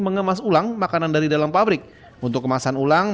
mereka mengambil barang yang berbahaya dan mereka mengambil barang yang berbahaya